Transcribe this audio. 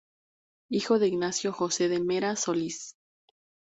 Hijo de Ignacio Jose de Meras Solis.